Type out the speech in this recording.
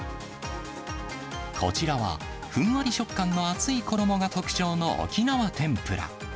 こちらは、ふんわり食感の厚い衣が特徴の沖縄天ぷら。